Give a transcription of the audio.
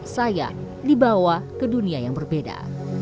saya dibawa ke dunia yang berbeda